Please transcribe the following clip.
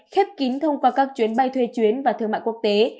khép kín thông qua các chuyến bay thuê chuyến và thương mại quốc tế